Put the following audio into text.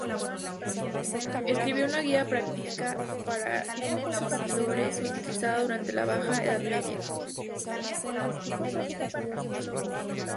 Escribió una guía práctica para inquisidores utilizada durante la Baja Edad Media.